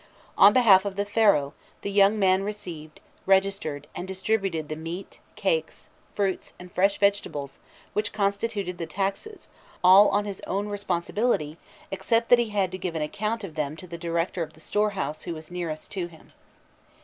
On behalf of the Pharaoh, the young man received, registered, and distributed the meat, cakes, fruits, and fresh vegetables which constituted the taxes, all on his own responsibility, except that he had to give an account of them to the "Director of the Storehouse" who was nearest to him.